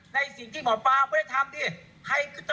ในสิ่งที่หมอปลาไม่ได้ทำให้มิตรมยันทร์เขาหายเราได้